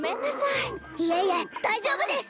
いいえいえ大丈夫です！